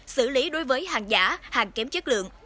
xử lý đối với hàng giả hàng kém chất lượng